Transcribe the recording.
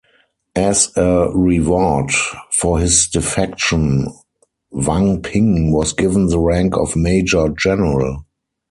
As a reward for his defection, Wang Ping was given the rank of Major-General.